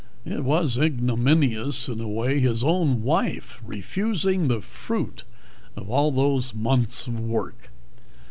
It was ignominious, in a way his own wife refusing the fruit of all those months of work.